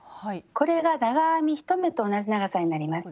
これが長編み１目と同じ長さになります。